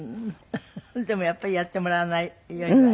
でもやっぱりやってもらわないよりは。